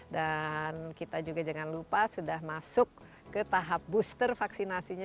dan kita juga jangan lupa sudah masuk ke tahap booster vaksinasinya